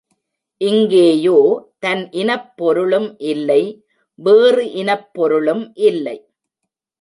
இங்கேயோ தன் இனப் பொருளும் இல்லை, வேறு இனப் பொருளும் இல்லை.